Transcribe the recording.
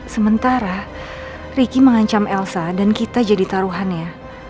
sementara ricky mengancam elsa dan kita jadi taruhannya